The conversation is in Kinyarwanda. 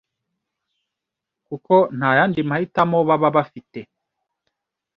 kuko nta yandi mahitamo baba bafite